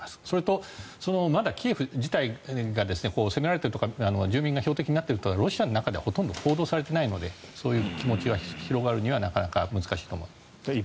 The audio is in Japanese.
それと、まだキエフ自体が攻められているとか住民が標的になっているというのはロシアの中ではほとんど報道されていないのでそういう気持ちが広がるにはなかなか難しいと思います。